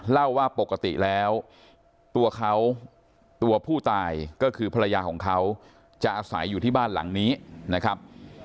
เล่าว่าปกติแล้วตัวเขาตัวผู้ตายก็คือภรรยาของเขาจะอาศัยอยู่ที่บ้านหลังนี้นะครับ